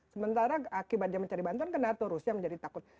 sementara akibatnya mencari bantuan ke nato rusia menjadi takut